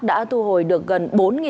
đã thu hồi được gần bốn sáu trăm linh